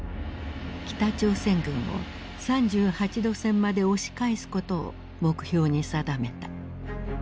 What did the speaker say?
北朝鮮軍を３８度線まで押し返すことを目標に定めた。